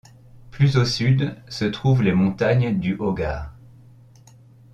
Plus au sud se trouvent les montagnes du Hoggar.